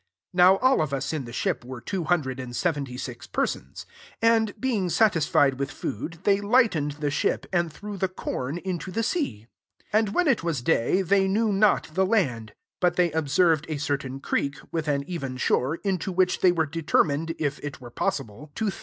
Now all of us in the ship two hundred and se¥eB^ « persons. 38 And being salMd with food, they lightened *i ship, and threw the com IbM the sea. 39 And when it was A^ they knew not the land: hi they observed a certain cPcdl with an even shore, into wfM they were determined, ff ^ were possible, to thrust ^* Gr.